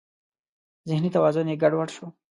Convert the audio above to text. ذهني توازن یې ګډ وډ شو.